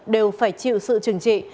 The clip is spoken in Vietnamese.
đều phải chịu sự chừng trị